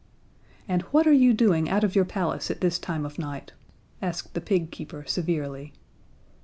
"And what are you doing out of your palace at this time of night?" asked the pig keeper, severely.